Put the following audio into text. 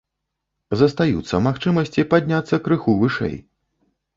Застаюцца магчымасці падняцца крыху вышэй.